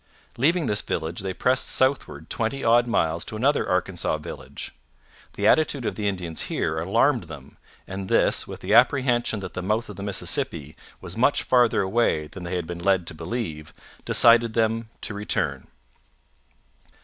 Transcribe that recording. Leaving this village, they pressed southward twenty odd miles to another Arkansas village. The attitude of the Indians here alarmed them, and this, with the apprehension that the mouth of the Mississippi was much farther away than they had been led to believe, decided them to return.